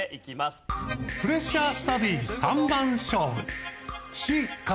プレッシャースタディ３番勝負。